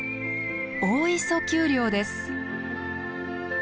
大磯丘陵です。